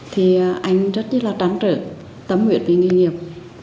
thì anh rất là trắng trở tấm nguyện về nghi nghiệp